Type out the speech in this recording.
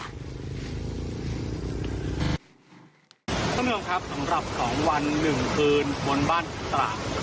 ทุกคนค่ะสำหรับของวันหนึ่งคืนบนบ้านตรา